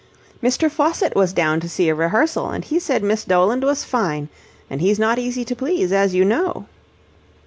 "Mr. Faucitt was down to see a rehearsal, and he said Miss Doland was fine. And he's not easy to please, as you know."